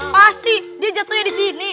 pasti dia jatuhnya disini